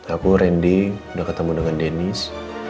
aku randy udah ketemu dengan dennis